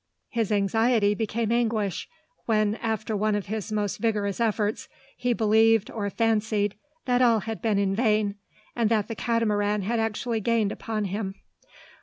His anxiety became anguish, when, after one of his most vigorous efforts, he believed, or fancied, that all had been in vain, and that the Catamaran had actually gained upon him.